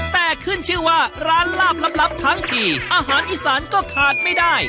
แต่ขึ้นชื่อว่าร้านลาบลับทั้งทีอาหารอีสานก็ขาดไม่ได้